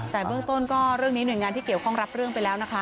แต่เบื้องต้นก็เรื่องนี้หน่วยงานที่เกี่ยวข้องรับเรื่องไปแล้วนะคะ